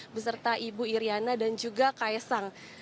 beserta ibu iryana dan juga ks sang